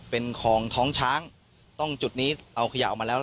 เป็นของท้องช้างต้องจุดนี้เอาขยะออกมาแล้ว